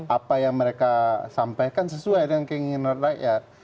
apa yang mereka sampaikan sesuai dengan keinginan rakyat